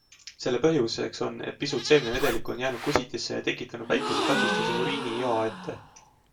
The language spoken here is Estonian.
Selle põhjuseks on, et pisut seemnevedelikku on jäänud kusitisse ja tekitanud väikese takistuse uriinijoa ette.